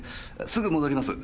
すぐ戻ります。